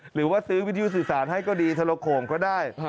หรือว่าซื้อวิทยุสื่อสารให้ก็ดีทรโข่งก็ได้